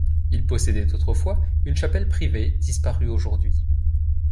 Il possédait autrefois une chapelle privée, disparue aujourd'hui.